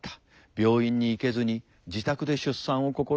病院に行けずに自宅で出産を試みる。